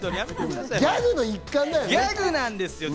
ギャグの一環だよね？